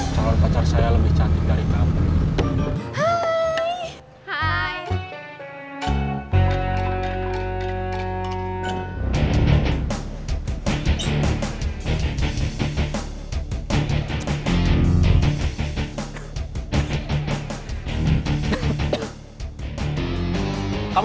calon pacar saya lebih cantik dari kamu